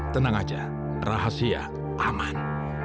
tenang aja rahasia aman